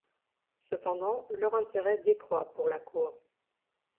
Cependant, leur intérêt décroît pour la cour.